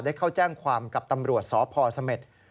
เข้าแจ้งความกับตำรวจสพเสม็ด